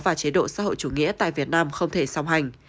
và chế độ xã hội chủ nghĩa tại việt nam không thể song hành